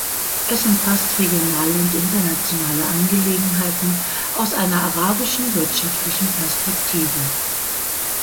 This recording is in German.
Es umfasst regionale und internationale Angelegenheiten aus einer arabischen wirtschaftlichen Perspektive.